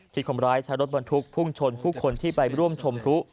ทฤษภรรรย์ชายรถบันทุกข์พุ่งชนผู้คนที่ไปร่วมชมทุ